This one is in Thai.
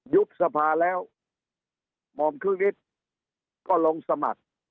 ยุบสภาพแล้วหมอมครึกฤทธิ์ก็ลงสมัคร